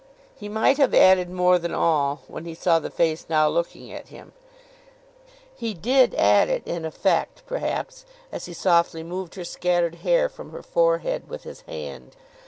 He might have added more than all, when he saw the face now looking at him. He did add it in effect, perhaps, as he softly moved her scattered hair from her forehead with his hand.